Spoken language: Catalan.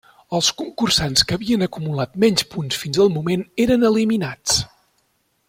Els concursants que havien acumulat menys punts fins al moment eren eliminats.